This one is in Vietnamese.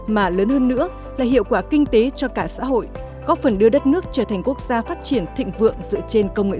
mà lớn hơn nữa là hiệu quả kinh tế cho cả xã hội góp phần đưa đất nước trở thành quốc gia phát triển thịnh vượng dựa trên công nghệ số